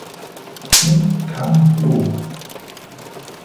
Kim Kang-woo